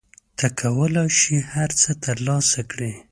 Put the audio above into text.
ته کولای شې هر څه ترلاسه کړې.